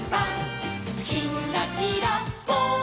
「きんらきらぽん」